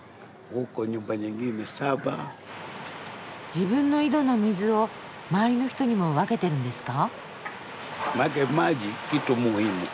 自分の井戸の水を周りの人にも分けてるんですか？